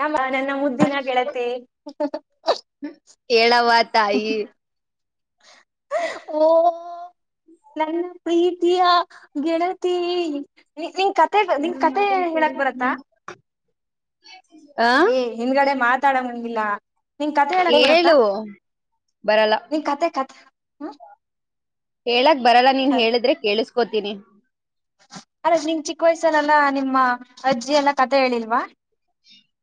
ನಮ್ಮ ನನ್ನ ಮುದ್ದಿನ ಗೆಳತಿ ಹೇಳವ್ವ ತಾಯಿ ಓ ನನ್ನ ಪ್ರೀತಿಯ ಗೆಳತಿ ನೀ ನಿಂಗ್ ಕತೆ ನಿಂಗ್ ಕತೆ ಹೇಳಕ್ ಬರತ್ತಾ ಆ ಏ ಹಿಂದ್ಗಡೆ ಮಾತಾಡ ಹಂಗಿಲ್ಲ ನಿನ್ ಕತೆ ಹೇಳಕ್ ಬರತ್ತ ಹೇಳು ಬರಲ್ಲ ನಿನ್ ಕತೆ ಕತೆ ಹ್ಮ ಹೇಳಕ್ ಬರಲ್ಲ ನೀನ್ ಹೇಳಿದ್ರೆ ಕೇಳಿಸಕೋತೀನಿ ಅಲ್ಲ ನಿಂಗ ಚಿಕ್ಕ ವಯಸ್ಸನಲ್ಲ ನಿಮ್ಮ ಅಜ್ಜಿ ಎಲ್ಲ ಕತೆೆ ಹೇಳಿಲ್ವಾ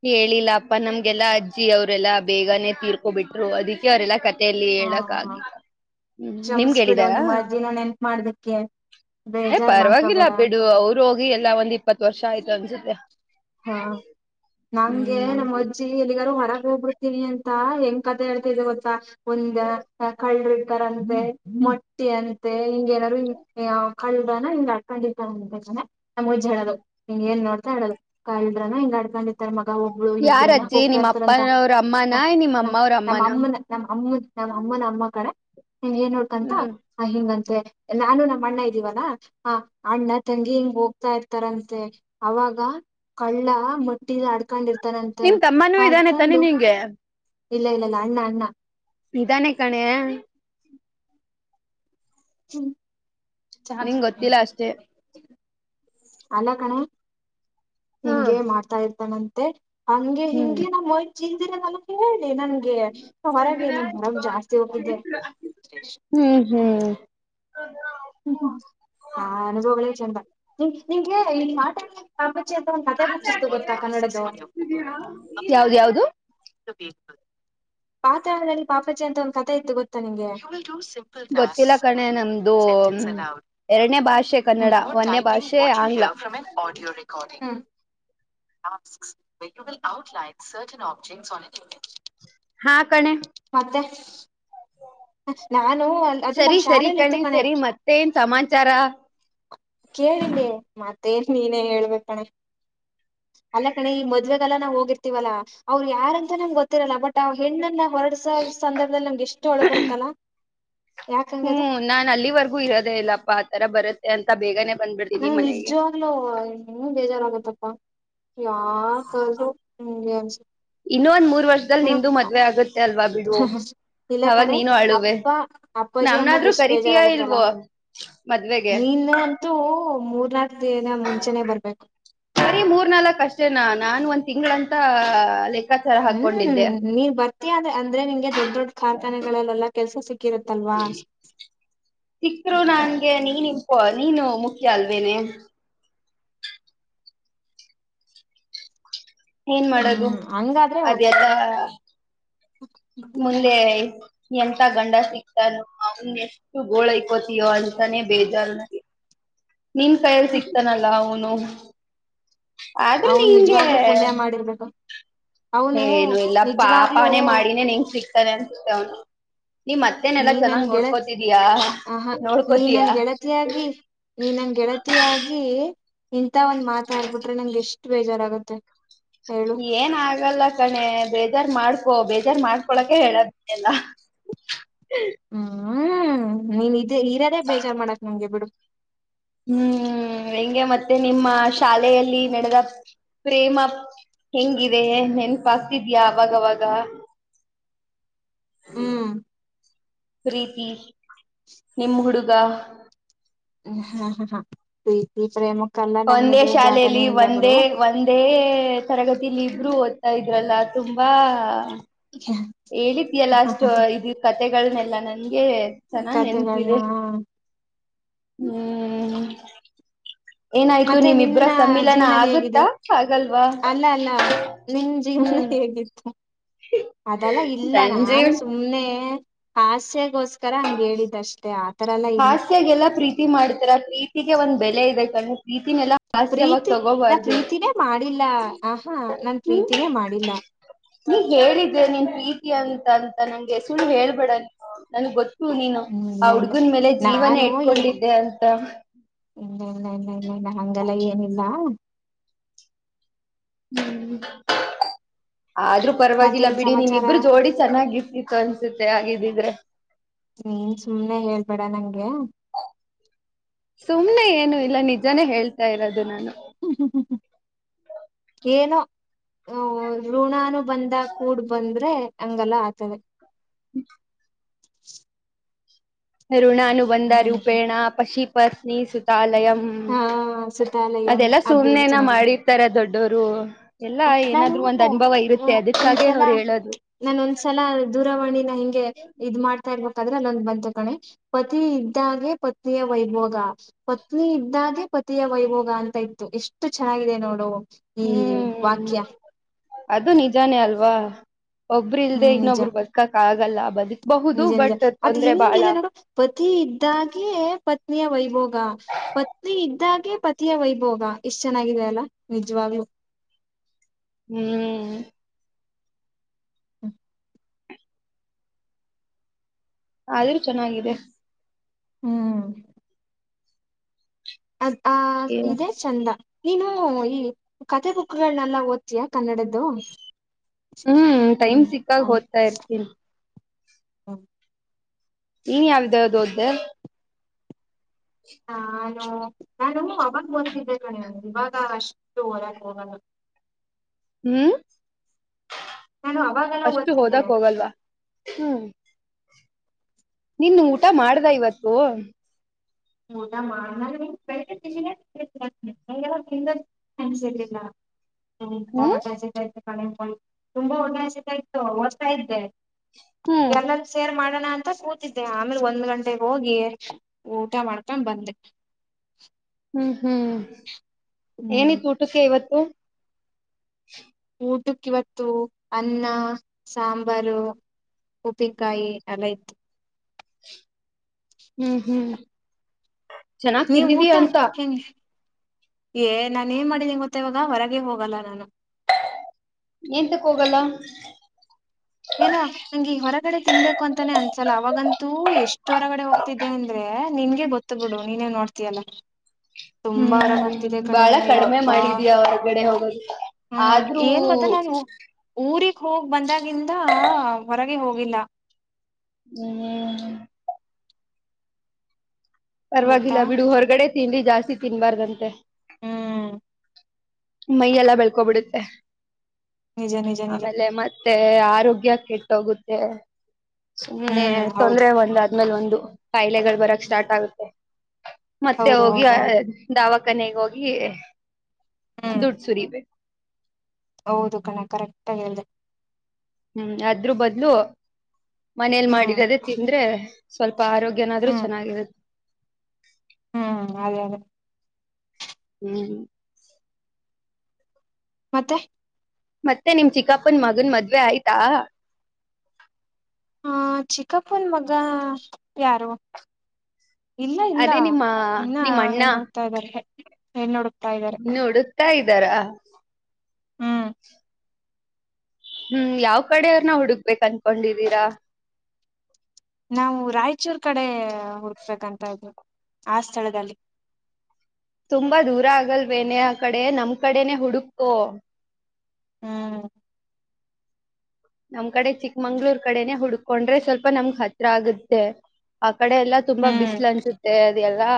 ಹೇಳಿಲ್ಲ ಅಪ್ಪ ನಮ್ಗೆಲ್ಲ ಅಜ್ಜಿ ಅವ್ರೆಲ್ಲಾ ಬೇಗನೆ ತೀರ್ಕೊಬಿಟ್ರು ಅದಕ್ಕೆ ಅವೆಲ್ಲಾ ಕಥೆ ಲ್ಲಿ ಹೇಳಕ್ ಆಗಿಲ್ಲ ಹ್ಮ್ ನಿಮ್ಗೆ ಕ್ಷಮಿಸಿ ಬಿಡು ಹೇಳಿದಾರ ನಿಮ್ಮ್ ಅಜ್ಜಿನಾ ನೆನಪು ಮಡಿದಿಕ್ಕೆ ಏ ಪರವಾಗಿಲ್ಲ ಬಿಡು ಅವರು ಹೋಗಿ ಎಲ್ಲಾ ಒಂದ್ ಇಪ್ಪತ್ತು ವರ್ಷ ಆಯ್ತು ಅನ್ಸುತ್ತೆ ಹಾ ನಂಗೆ ಹ್ಮ್ ನಮ್ಮ ಅಜ್ಜಿ ಎಲ್ಲಿಗಾರು ಹೊರಗೆ ಹೋಗ್ಬಿಡ್ತೀನಿ ಅಂತ ಹೆಂಗ್ ಕತೆ ಹೇಳ್ತಿದ್ದ ಗೊತ್ತಾ ಒಂದ ಕಳ್ರು ಇರ್ತಾರಂತೆ ಮೊಟ್ಟಿ ಅಂತೆ ಹಿಂಗಗೆಏನಾದ್ರು ಕಳ್ಳನ ಹಂಗ ಆಡ್ಕೊಂಡಿರ್ತಂತೆ ನಮ್ಮ ಅಜ್ಜಿ ಹೇಳೋರು ಹಂಗ ಏನ್ ನೋಡ್ತಾ ಹೇಳಡೋ ಕಾಲ್ರನು ಹಿಂಗ ಇಡ್ಕೊಂಡ ಮ ಒಬ್ಳು ಯಾರ ಇಬ್ಬ್ರ ಅಜ್ಜಿ ಹೋಗ್ತಾ ನಿಮ್ ಇರ್ತಾರಂತ ಅಪ್ಪನವ್ರ ಅಮ್ಮನ ನಿಮ್ ಅಮ್ಮ ಅವ್ರ ಅಮ್ಮನ ನಮ್ಮಮ್ಮನ ನಮ್ಮಮ್ಮ ನಮ್ಮ ಅಮ್ಮನ ಅಮ್ಮ್ ಕಣೆ ನಿ ಏನ್ ನೋಡ್ಕಂತ ಹ್ಮ್ ಆ ಹಿಂಗಂತೆ ನಾನು ನಮ್ಮ ಅಣ್ಣ ಇದ್ದೀವಲ್ಲಾ ಹ ಅಣ್ಣ ತಂಗಿ ಹಿಂಗ್ ಹೋಗ್ತಾ ಇರ್ತಾರಂತೆ ಅವಾಗ ಕಳ್ಳ ಮಟ್ಟಿಲಿ ಆಡ್ಕೊಂಡಿರ್ತ ಹತ್ತನಂತೆ ನಿಮ್ ತಮ್ಮನೂ ಇದಾನೆ ತಾನೆ ಆಡ್ಕೊಂಡು ನಿಂಗೆ ಇಲ್ಲ ಇಲ್ಲ ಇಲ್ಲ ಅಣ್ಣ ಅಣ್ಣ ಇದನೆ ಕಣೆ ಹ್ಮ್ ನಿಂಗ ಗೊತ್ತಿಲ್ಲ ಅಷ್ಟೇ ಅಲ್ಲ ಕಣೆ ಹಾ ಹಿಂಗೆ ಮಾಡ್ತಾ ಇರ್ತಾನಂತೆ ಹಂಗೆ ಹ್ಮ್ ಹಿಂಗೆ [unintelligible] ನಂಗೆ ಹೊರಗೆ ನನ್ ಹೊರಗ್ ಜಾಸ್ತಿ ಹೋಗಿದ್ದೆ ಹ್ಮ್ ಹ್ಮ್ ಹ್ಮ್ಮ ಆ ಅನುಭವಗಳೇ ಚಂದ ನಿಂಗೆ ಈ ಮಾಟ ಪಾಪಚಿ ಅಂತ ಒಂದು ಕತೆೆ ಬುಕ್ತ್ತು ಗೊತ್ತಾ ಕನ್ನಡದವ ನೀವು ಯಾವ್ದ ಯಾವ್ದು ಪಾತಾದಲ್ಲಿ ಪಾಪಜಿ ಅಂತ ಒಂದು ಕಥೆ ಇತ್ತು ಗೊತ್ತಾ ನಿಂಗೆ ಗೊತ್ತಿಲ್ಲ ಕಣೆ ನಮ್ದು ಎರಡನೇ ಭಾಷೆ ಕನ್ನಡ ಒಂದನೇ ಭಾಷೆ ಆಂಗ್ಲ [unintelligible] [unintelligible] ಹಾ ಕಣೆ ಮತ್ತೆ ನಾನು ಅದು ನಮ ಸರಿ ಸರಿ ಶಾಲೆಯಲ್ಲಿ ಇತ್ತು ಕಣೆ ಸರಿ ಕಣೆಪ್ಪ ಮತ್ತೇನ್ ಸಮಾಚಾರ ಕೇಳಿಲ್ಲಿ ಮತ್ ತ್ತೇನ್ ನೀನೇ ಹೇಳ್ಬೇಕಕ್ ಕಣೆ ಅಲ್ಲ ಕಣೆ ಈ ಮದ್ವೆಗಲ್ಲ ನಾವ್ ಹೋಗಿರ್ತೀವಲ್ಲಾ ಅವ್ರು ಯಾರಂತ ನಮ್ಗೆ ಗೊತ್ತಿರಲ್ಲ ಬಟ್ ಅವ್ ಹೆಣ್ಣನ್ನ ಹೊರಡ್ಸೋ ಸಂದರ್ಭದಲ್ಲಿ ನಮ್ಗೆ ಎಷ್ಟು ಅಳು ಬರುತ್ತಲ್ಲ ಹ್ಮ್ ನಾನ್ ಅಲ್ಲಿವರ್ಗೂ ಇರೋದೇ ಇಲ್ಲಪ್ಪಾ ಆತರ ಬರುತ್ತೆ ಅಂತ ಬೇಗನೆ ಬಂದ್ಬಿಡ್ತೀನಿ ಹ್ಮ್ ಮನೆಗೆ ನಿಜವಾಗ್ಲೂ ಹೆಂಗ್ ಬೇಜಾರ್ ಆಗುತಪ್ಪ ಯಾರ ಕದುು ಹಸ [unintelligible] ಇನ್ನೊ ಒಂದ್ ಮೂರ್ ವರ್ಷದಲ್ಲಿ ನಿಂದು ಮದ್ವೆ ಆಗುತ್ತೆ ಅಲ್ವಾ ಬಿಡು ಇಲ್ಲ ಅವಾಗ ಕಣೆ ನೀನು ಆಡುವೆ ಅಪ್ಪ ಅಪ್ಪಾಜಿ ನಮನ ಅಮ್ಮಗ್ ಆದ್ರೂ ಎಷ್ಟ್ ಕರಿತೀಯಾ ಬೇಜಾರಾಗತ್ತಲ್ಲ ಇಲ್ವೋ ಮದ್ವೆೆಗೆ ನೀನು ಅಂತೂ ಮೂರ್ನಾಕ್ ದಿನ ಮುಂಚೆನೆ ಬರ್ಬೇಕು ಸರಿ ಮೂರ್ ನಲ್ಕ್ ಅಷ್ಟೇನಾ ನಾನು ಒಂದ್ ತಿಂಗಳಂತ ಲೆಕ್ ಕ್ಕಾಚರ ಹಾಕೊಂಡಿದ್ದೆ ಅ ಅಂದ್ರೆ ನಿಂಗೆ ದೊಡ್ಡ ದೊಡ್ಡ ಕಾರ್ಖಾನೆಗಳಲ್ಲೆಲ್ಲಾ ಕೆಲ್ಸ ಸಿಕ್ಕಿರುತ್ತಲ್ವಾ ಸಿಕ್ರು ನಂಗೆ ನೀನ್ ಇಪ ನೀನು ಮುಖ್ಯ ಅಲ್ವೇನೆ ಏನ್ ಮಾಡೋದು ಹ್ಮ್ ಹಂಗಾದ್ರೆ ಓಕೆ ಅದೆಲ್ಲ ಮುಂದೆ ಎಂತ ಗಂಡ ಸಿಗ್ತಾನು ಅವನ್ ಎಷ್ಟು ಗೋಳೈಕೋತಯೋ ಅಂತಾನೇ ಬೇಜಾರ ನನಗೆ ನಿನ್ ಕೈಯಲ್ಲಿ ಸಿಕ್ತಾನಲ್ಲಾ ಅವನು ಆದ್ರೆ ಅವನ್ ನಿಂಗೆ ನಿಜವಾಗ್ಲೂ ಪುಣ್ಯ ಮಾಡಿರ್ಬೇಕು ಅವನು ಏನು ಇಲ್ಲ ನಿಜವಾಗ್ಲೂ ಪಾಪಾನೇ ಮಾಡಿನೇ ನಿಂಗೆ ಸಿಗ್ತಾನೆ ಅನ್ಸತ ಅವನು ನೀ್ ಮತ್ತೇನೆಲ್ಲಾ ನೀ ನನ್ ಚೆನ್ನಾಗ್ ಗೆಳತ್ ನೋಡ್ಕೋತಿದಯಾ ಆಹ ನೀ ನೋಡ್ಕೋತೀಯ ನನ್ ಗೆಳತಿಯಾಗಿ ನೀ ನನ್ ಗೆಳತಿಯಾಗಿ ಇಂತ ಒಂದ್ ಮಾತಾಡ್ಬಿಟ್ರೆ ನಂಗೆ ಎಷ್ಟ್ ಬೇಜಾರಾಗುತ್ತೆ ಹೇಳು ಏನ್ ಆಗಲ್ಲ ಕಣೆ ಬೇಜಾರ್ ಮಾಡ್ ಕೋ ಬೇಜಾರ್ ಮಾಡ್ಕೊಳಕೆ ಹೇಳದ ಎಲ್ಲ ಹ್ಮ್ ನೀನ್ ಇದೇ ಇರದೇ ಬೇಜಾರ್ ಮಾಡಾಕ್ ನಂಗೆ ಬಿಡು ಹ್ಮ್ ಹೆಂಗೆ ಮತ್ತೆ ನಿಮ್ಮ ಶಾಲೆಯಲ್ಲಿ ನಡೆದ ಪ್ರೇಮ ಹೆಂಗಿದೆ ನೆನ್ಪಾತಿದಯ ಅವಾಗವಾಗ ಹ್ಮ್ ಪ್ರೀತಿ ನಿಮ್ ಹುಡುಗ ಹಾ ಹಾ ಹಾ ಪ್ರೀತಿ ಪ್ರೇಮ ಒಂದೇ ಶಾಲೆಯಲ್ಲಿ ಒಂದೇ ಒಂದೇ ತರಗತಿ ಇಲ್ಲಿ ಇಬ್ರು ಓದ್ತಾ ಇದ್ರಲ್ಲ ತುಂಬಾ ಹೇಳಿದಿಯಲ್ಲ ಅಷ್ಟು ಇದು ಕತೆಗಳನ್ನೆಲ್ಲಾ ನನ್ಗೆ ಚೆನ್ನಾಗ್ ನೆನಪಿದೆ ಹ ಹ್ಮ್ ಏನಾಯ್ತು ಮತ್ತೆ ನಿಮ್ಮಿಬ್ರ ನಿನ್ನ ಸಮ್ಮಿಲನ ಜೀವನ ಹೇಗಿದೆ ಆಗುತ್ತಾ ಆಗಲ್ವಾ ಅಲ್ಲ ಅಲ್ಲ ನಿನ್ ಜೀವನ ಹ್ಮ್ ಹೇಗಿತ್ತು ಅದೆಲ್ಲ ಇಲ್ಲ ನಾನು ಸಂಜೀವ್ ಸುಮ್ನೆ ಹ್ಯಾಸ್ ಗೋಸ್ಕರ ಹಂಗ ಹೇಳಿದ್ದಷ್ಟೆ ಆತರ ಎಲ್ಲ ಇಲ್ಲ ಹಾಸ್ಯಾಗೆಲ್ಲಾ ಪ್ರೀತಿ ರೀತಿನೆಲ್ಲ ಹಾಸ್ಯವಾಗ ಪ್ರೀತಿ ನಾ ತಗೋಬಾರ್ದ ಪ್ರೀತಿನೇ ಮಾಡಿಲ್ಲ ಆಹಾ ನಾನ್ ಹ್ಮ ಪ್ರೀತಿನೇ ಮಾಡಿಲ್ಲ ನೀ ಹೇಳಿದೆ ನೀನ್ ಪ್ರೀತಿ ಅಂತ ಅಂತ ನಂಗೆ ಹೆಸಳ್ಳ ಹೇಳ್ಬೇಡ ನನ್ಗ್ ಗೊತ್ತ ನೀನು ಹ್ಮ್ ಆ ಇಲ್ಲ ಇಲ್ಲ ಹುಡ್ಗನ್ ಮೇಲೆ ಜೀವನ ನಾನು ಇಟ್ಕೊಂಡಿದ್ದೆ ಅಂತ ಹಂಗಲ್ಲ ಏನಿಲ್ಲ ಹ್ಮ ಆದ್ರೂ ಪರವಾಗಿಲ್ಲ ಮತ್ತೇನ್ ಬಿಡಿ ನಿಮ್ ಸಮಾಚಾರ ಇಬ್ರು ಜೋಡಿ ಚೆನ್ನಾಗಿ ಇರ್ತಿತ್ತು ಅನ್ಸುತ್ತೆ ಹಾಗಗಿದ್ದಿದ್ರೆ ಹ್ಮ್ ಸುಮ್ನೆ ಹೇಳ್ಬೇಡ ನಂಗೆ ಸುಮ್ನೆ ಏನು ಇಲ್ಲ ನಿಜಾನೇ ಹೇಳ್ತಾ ಇರೋದು ನಾನು ಏನೋ ಋಣಾನು ಬಂದ ಕೂಡ್ ಬಂದ್ರೆ ಹಂಗಲ್ಲ ಆತದೆ ಹ್ಮ [unintelligible] ಋಣಾನಬಂಧಾರೂಪೇಣ ಪಶಿಪಸ್ನಿ ಸುತಾಲಯ ಹಾ ಹ ಸತಾಲಯಂ ಅ ಸುಮ್ನೆನ ಚೆನ್ನಾಗಿದೆ ಮಾಡಿರ್ತಾರ ದೊಡ್ಡೋರು ಎಲ್ಲಾ ನಾನು ಏನಾದ್ರು ಒಂದ್ ಅನುಭವ ಹ ಇರುತ್ತೆ ಅದಕ್ಕಾಗೆ ಒಂದ್ಸಲ ಅವ್ರು ಹೇಳೋದು ನಾನ ಒಂದ್ಸಲ ದೂರವಾಣಿನ ಹಿಂಗೆ ಇದ್ ಮಾಡ್ತಾ ಇರ್ಬೇಕ ಇಂದರೆ ನಂದ ಬಂದ ತಕಣೆ ಪನ ಇದ್ದಾಗೆ ಪತ್ನಿಯ ವೈಭೋಗ ಪತ್ನಿ ಇದಾದೆ ಪತಿಯ ವೈಭೋಗ ಅಂತ ಇತ್ತು ಎಷ್ಟು ಚೆನ್ನಾಗಿದೆ ನೋಡು ಹ್ಮ್ ವಾಕ್ಯ ಅದು ನಿಜಾನೇ ಅಲ್ವಾ ಒಬ್ಬ್ರ ಇಲ್ದೆೇ ಹ್ಮ್ ನಿಜ ಇನ್ನೊಬ್ರು ಬದುಕಕ್ ಆಗಲ್ಲ ಬದುಕ ನಿಜ ನಿಜ ಅದ ಹೆಂಗಿದೆ ನೋಡು ಪತಿ ಇದ್ದಾಗೆ ಪ ಪತ್ನಿಯ ವೈಭೋಗ ಪತ್ನಿ ಇದ್ದಾಗೆ ಪತಿಯ ವೈಭೋಗ ಎಷ್ಟ ಚೆನ್ನಾಗಿದೆ ಅಲ್ಲ ನಿಜವಾಗ್ಲಲು ಹ್ಮ್ ಹ್ಮ ಆದ್ರೂ ಚೆನ್ನಾಗಿದೆ ಹ್ಮ್ ಅದ್ ಆ ಇದೆ ಚಂದ ನೀನು ಈ ಕತೆೆ ಬುಕ್ಗಳನೆಲ್ಲ ಓದ್ತೀಯ ಕನ್ನಡದ್ದು ಹ್ಮ್ ಟೈಮ್ ಹ್ಮ್ ಸಿಕ್ಕಾಗ ಹಓದ್ತಾ ಇರ್ತೀನಿ ಹ ನೀನ್ ಯಾವ್ದದುೊ್ದ ಹಾ ನಾನು ನಾನು ಅವಾಗ ಓ್ತಿದ್ದೆ ಕಣ ಇವಾಗ ಅಷ್ಟು ಹೊರಾಕ್ ಹೋಗಲ್ಲ [inaudible] ಹ್ಮ್ ನಾನು ಅವಾಗೆಲ್ಲ ಅಷ್ಟು ಓದ್ತಿದ್ದೆ ಹೋದಕ್ ಹೋಗಲ್ವಾ ಹ್ಮ್ ನಿನ್ ಊಟ ಮಾಡ್ದ ಇವತ್ತು ಊದ ಮಾಡ ಅಸಿಲ್ಲ ಹುಂಬ ಹೊ ಹ್ಮ್ ಸತ ಇತ್ತು ಕಣಿ ತುಂಬಾ ಹೊಟ್ಟ ಸತ ಇತ್ತು ಹೊರ್ತಾ ಇದ್ದೆ ಹ್ಮ್ ಎಲ್ಲಂದ ಸೇರ್ ಮಾಡೋಣ ಅಂತ ಕೂತಿದ್ದೆ ಆಮೇಲೆ ಒಂದ್ ಗಂಟೆೆಗೆ ಹೋಗಿ ಊಟ ಮಾಡ್ಕೊಂಡ್ ಬಂದ ಹ್ಮ್ ಹ್ಮ್ ಹ್ಮ್ ಏನಿತ್ತು ಊಟಕ್ಕೆ ಇವತ್ತು ಊಟಕ್ಕೆ ಇವತ್ತು ಅನ್ನ ಸಾಂಬಾರು ಉಪ್ಪಿಕಾಯಿ ಅಲೆೈತ್ ಹ್ಮ್ ಹ್ಮ್ ಚೆನ್ನಾಗ್ ನೀವ್ ತಿಂದಿದಿ ಊಟ ಅಂತ ಹೆನ್ ಏ ನಾನ ನ್ ಮಾಡಿದ್ದೇ ಗೊತ್ತ ಇವಾಗ ಹೊರಗೆ ಹೋಗಲ್ಲ ನಾನು ಎಂತಕ್ ಹೋಗಲ್ಲ ಏನ ನಂ ಈ ಹೊರಗಡೆ ತಿನ್ಬೇಕು ಅಂತಾನೇ ಅನ್ಸಲ್ಲ ಅವಾಗಂತೂ ಎಷ್ಟ ಹೊರಗಡೆ ಹೋಗ್ತಿದ್ದೆ ಅಂದ್ರೆ ನಿನ್ಗೆ ಗೊತ್ತ ಬಿಿಡು ನೀನ್ೇನ್ ನೋಡ್ತಯಲ್ಲ ತುಂಬಾ ಹೊರಾಗ ಹ್ಮ್ ಹೋಗ್ತಿದೆೆ ಕಣೆ ಬಾಳ ಕಡಿಮೆ ಯಪ್ಪ ಮಾಡಿದೀಯ ಹೊರಗಡೆ ಹೋಗೋದು ಹ್ಮ ಆದ್ರೂ ಏನ್ ಗೊತ್ತಾ ನಾನು ಊರಿಗ್ ಹೋಗ್ ಬಂದಾಗಿಂದ ಹಾ ಹೊರಗೆ ಹೋಗಿಲ್ಲ ಹ್ಮ ಗೊತ್ತಾ ಪರವಾಗಿಲ್ಲ ಬಿಡು ಹೊರಗಡೆ ತಿನ್ಿ ಜಾಸ್ತಿ ತಿನ್ಬಾರ್ದಂತೆ ಹ್ಮ್ ಮೈಯ ಎಲ್ಲ ಬೆಳ್ಕೋಬಿಡುತ್ತೆ ನಿಜ ನಿಜ ನಿಜ ಆಮೇಲೆ ಮತ್ತೆ ಮತ್ತೆ ಆರೋಗ್ಯ ಕೆಟ್ಟೋಗುತ್ತೆ ಸುಮನೆ ಹ್ಮ್ ಹೌದು ತೊಂದ್ರರೆ ಒಂದ ್ಮೇಲೆ ಒಂದು ಕಾಯಿಲೆಗಳು ಬರಕ್ ಸ್ಟಾರ್ಟ್ ಆಗುತ್ತೆ ಮತ್ತೆ ಹೌದು ಹೋಗಿ ಹೌದು ಹೌದು ದಾವ ಕನೆಗೋಗಿ ಹ್ಮ್ ದುಡ್ಡು ಸುರಿಬೇಕ ಹೌದು ಕಣ ಕರೆಕ್ಟ್ ಆಗ ಅಲ್ದೆ ಹ್ಮ್ ಅದ್ರ ಬದ್ಲು ಮನೇಲ್ ಹ್ಮ್ ಮಾಡಿದದೇ ತಿಂದ್ರೆ ಸ್ವಲ್ಪ ಆರೋಗ್ಯನಾದ್ರರು ಚೆನ್ನಾಗಿರುತ್ತೆ ಹಾ ಅದೇ ಅದೇ ಹ್ಮ್ ಹ್ಮ್ ಮತ್ತೆ ಮತ್ತೆ ನಿಮ ಚಿಕ್ಕಪ್ಪನ್ ಮಗನ್ ಮದ್ವೆ ಆಯ್ತಾ ಹ ಚಿಕ್ಕಪ್ಪನ್ ಮಗ ಯಾರು ಇಲ್ಲ ಇಲ್ಲ ಅದೇ ನಿಮ್ಮ ಇನ್ನ ನಿಮ್ ಏನ್ ನೋಡ್ತಾ ಇದ್ದಾರೆ ನೋಡ್ ನುಡುಕ್ತಾ ಇದ್ದಾರಾ ಹ್ಮ್ ಹ್ಮ್ ಯಾವ್ ಕಡೆಯವ್ರನ ಹುಡುಗ್ಬೇಕಕ್ ಅನ್ಕೊಂಡಿದೀರಾ ನಾವು ರಾಯಚೂರ್ ಕಡೆ ಹುಡುಕ್ಬೇಕಂತ ಇದ್ರು ಆ ಸ್ಥಳದಲ್ಲಿ ತುಂಬಾ ದೂರ ಆಗಲ್ವೇನೆ ಆ ಕಡೆ ನಮ್ ಕಡೇನೆ ಹುಡುಕೋ ಹ್ಮ್ ನಮ್ ಕಡೆ ಚಿಕ್ಕಮಂಗ್ಳೂರ್ ಕಡೆನೆೇ ಹುಡ್ಕೊಂಡ್ರೆ ಸ್ವಲ್ಪ ನಮ್ಗ್ ಹತ್ರ ಆಗುತ್ತೆ ಕಡೆ ಎಲ್ಲಾ ತುಂಬಾ ಹ್ಮ್ ಬಿಸಿಲು ಅನ್ಸುತ್ತೆ ಅದೆ ಎಲ್ಲಾ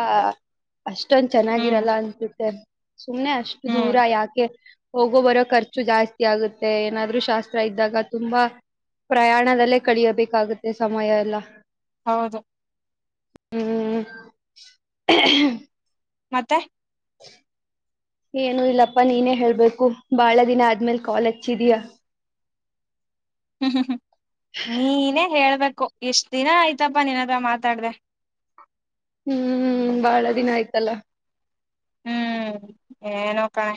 ಅಷ್ಟೊಂದ ಹ್ಮ್ ಚೆನ್ನಾಗಿರಲ್ಲ ಅನ್ಸುತ್ತೆ ಸುಮ್ನೆ ಅಷ್ಟು ಹ್ಮ್ ದೂರ ಯಾಕೆ ಹೋಗೋ ಬರೋ ಖರ್ಚ ಜಾಸ್ತಿ ಆಗುತ್ತೆ ಏನಾದ್ರೂ ಶಾಸ್ತ್ರ ಇದ್ದಾಗ ತುಂಬಾ ಪ್ರಯಾಣದಲ್ಲೇ ಕಳಿಯಬೇಕಾಗುತ್ತೆ ಸಮಯ ಎಲ್ಲ ಹೌದು ಹ್ಮ ಮತ್ತೆ ಏನು ಇಲ್ಲಪ್ಪಾ ನೀನೇ ಹೇಳ್ಬೇಕು ಬಾಳ ದಿನ ಆದ್ಮೇಲ್ ಕಾಲ್ ಹಚ್ಚಿದೀಯ ಹ್ಮ್ ನೀನೇ ಹೇಳ್ಬೇಕ ಎಷ್ಟ್ ದಿನ ಆಯ್ತಪ್ಪ ನಿನ್ ಹತ್ರ ಮಾತಾಡ್ದ ಹ್ಮ್ ಬಾಳ ದಿನ ಆಯ್ತಲ್ಲ ಹ್ಮ್ ಏನೋ ಕಣ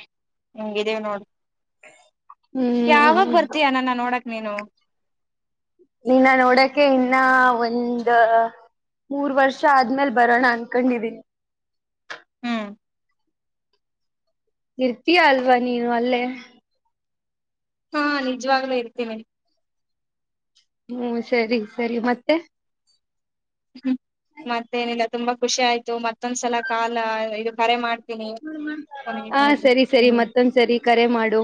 ಹಂಗಿದ್ದೀವಿ ನೋಡು ಯಾವಾಗ ಹ್ಮ್ ಬರ್ತೀಯ ನನ್ನ ನೋಡಕ್ ನೀನು ನೀನ್ನ ನೋಡಕೆ ಇನ್ನ ಒಂದ ಮೂರ್ ವರ್ಷ ಆದ್ಮೇಲ್ ಬರೋಣ ಅನ್ಕೊಂಡಿದೀನಿ ಹ್ಮ್ ಇರ್ತೀಯಾ ಅಲ್ವಾ ನೀನು ಅಲ್ಲೇ ಹಾ ನಿಜವಾಗ್ಲೇ ಇರ್ತೇನೆ ಹ್ಮ್ ಸರಿ ಸರಿ ಮತ್ತೆ ಹ್ಮ ಮತ್ತೇನಿಲ್ಲ ತುಂಬಾ ಖುಷಿ ಆಯ್ತು ಮತ್ತೊಂದ್ಸಲ ಕಾಲ ಕರೆ ಮಾಡ್ತೀನಿ ಹಾ ಹ್ಮ ಸರಿ ಸರಿ ಮತ್ತೊಂದ್ಸರಿ ಕರೆ ಮಾಡು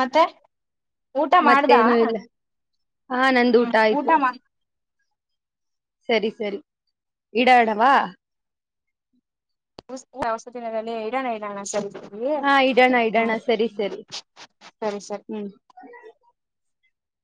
ಮತ್ತೆ ಊಟ ಮಾಡ್ದ ಮತ್ತೇನು ಇಲ್ಲ ಹಾ ನಂದು ಹ್ಮ್ ಊಟ ಆಯ್ತು ಮಾಡ ಸರಿ ಸರಿ ಇಡಾ ಇಡವಾ ಸ ದಿನದಲ್ಲಿ ಇಡೋಣ ಇಲ್ಲೋಣ ಸ ಹಾ ಇಡೋಣ ಇಡೋಣ ಸರಿ ಸರಿ ಸರಿ ಸರಿ ಹ್ಮ್